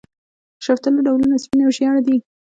د شفتالو ډولونه سپین او ژیړ دي.